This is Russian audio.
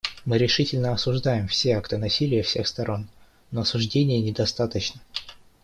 Мы решительно осуждаем все акты насилия всех сторон; но осуждения недостаточно.